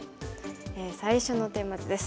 最初のテーマ図です。